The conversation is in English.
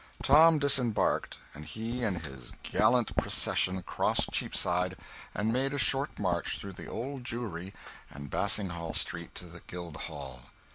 Tom disembarked, and he and his gallant procession crossed Cheapside and made a short march through the Old Jewry and Basinghall Street to the Guildhall.